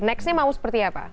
nextnya mau seperti apa